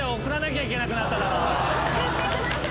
送ってください。